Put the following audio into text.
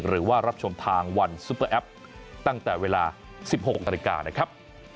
หรือว่ารับชมทางวันซุปเปอร์แอปตั้งแต่เวลา๑๖นาฬิกานะครับ